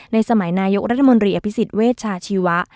ในสมัยนายกรัฐมนตรีอภิษฎเวชาชีวะ